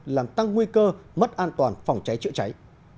làm tăng nguy cơ mất an toàn phòng cháy chữa cháy